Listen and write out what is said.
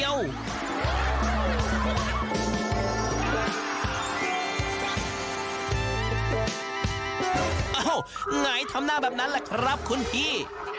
ไงทำหน้าแบบนั้นแหละครับคุณพี่